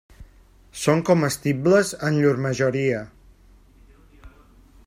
Són comestibles en llur majoria.